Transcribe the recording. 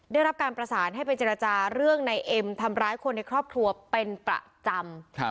ได้รับการประสานให้ไปเจรจาเรื่องในเอ็มทำร้ายคนในครอบครัวเป็นประจำ